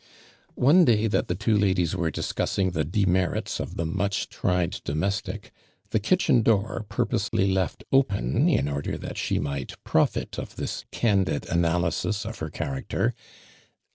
One day that tho two ladies were dis cussing tho demerits of the mucli tried domestic, the kitchen door i)urposely left open, in order th it she might profit of this candid analysis of her character, Li7.